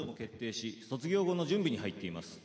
卒業後の準備に入っています。